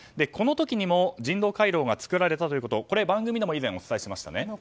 この時にも人道回廊が作られたということは番組でも以前お伝えしましたね。